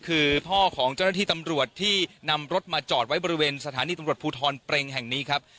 คือพ่อของเจ้าหน้าที่ตำรวจที่นำรถมาจอดไว้บริเวณสถานีตำรวจภูทรเปรงแห่งนี้ครับ